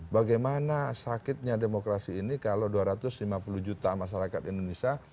bagaimana sakitnya demokrasi ini kalau dua ratus lima puluh juta masyarakat indonesia